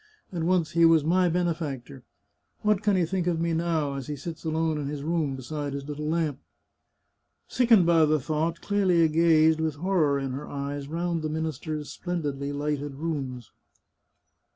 And once he was my benefactor! What can he think of me now, as he sits alone in his room, beside his little lamp ?" Sickened by the thought, Clelia gazed, with horror in her eyes, round the minister's splendidly lighted rooms.